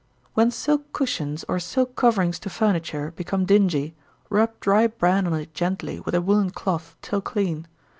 _ When silk cushions, or silk coverings to furniture, become dingy, rub dry bran on it gently, with a woollen cloth, till clean.